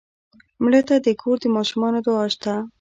مړه ته د کور د ماشومانو دعا شته